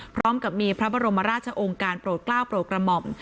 พร้อมกับมีพระบรมราชองค์การโปรดกล้าวโปรดกระหม่อม